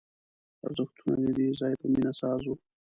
ارزښتونه د دې ځای په مینه ساز وو